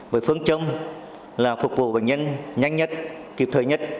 bởi phương chống là phục vụ bệnh nhân nhanh nhất kịp thời nhất